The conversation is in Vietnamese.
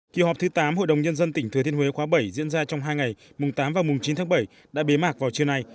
kỳ họp thứ tám hội đồng nhân dân tỉnh thừa thiên huế khóa bảy diễn ra trong hai ngày mùng tám và mùng chín tháng bảy đã bế mạc vào trưa nay